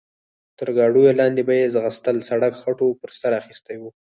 تر ګاډیو لاندې به یې ځغستل، سړک خټو پر سر اخیستی و.